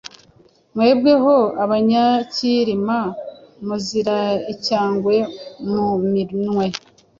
Mwebwe ho Abanyacyirima Muzira icyangwe mu minwe.